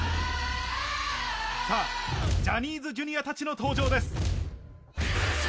さあ、ジャニーズＪｒ．たちの登場です。